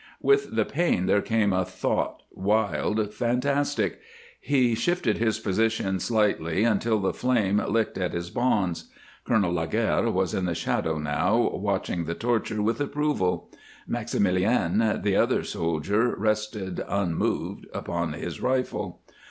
With the pain there came a thought, wild, fantastic; he shifted his position slightly until the flame licked at his bonds. Colonel Laguerre was in the shadow now, watching the torture with approval. Maximilien, the other soldier, rested unmoved upon his rifle.